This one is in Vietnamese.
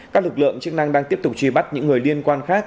các lực lượng chức năng đang tiếp tục truy bắt những người liên quan khác